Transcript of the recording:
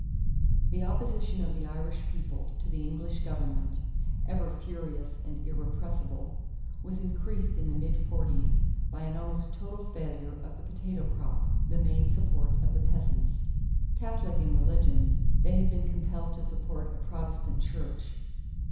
_ The opposition of the Irish people to the English government, ever furious and irrepressible, was increased in the mid forties by an almost total failure of the potato crop, the main support of the peasants. Catholic in religion, they had been compelled to support a Protestant church.